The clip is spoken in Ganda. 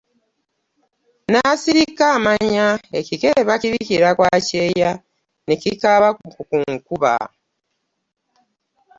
N'asirika amanya , ekikere bakibikira kwa kyeyo ne kikaaba ku nkuba .